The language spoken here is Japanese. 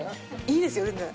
いいですよ全然。